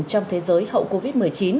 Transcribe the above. trong thế giới hậu covid một mươi chín